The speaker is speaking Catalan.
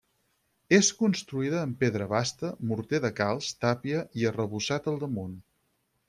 És construïda amb pedra basta, morter de calç, tàpia i arrebossat al damunt.